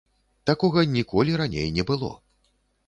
Такога ніколі раней не было.